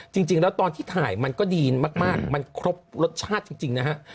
จริงแล้วตอนที่ถ่ายมันก็ดีมากมันครบรสชาติจริงนะฮะ